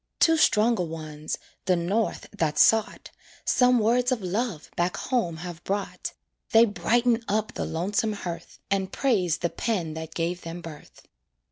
Two stronger ones, the North that sought, Some words of love back home have brought; They brighten up the lonesome hearth, And praise the pen that gave them birth.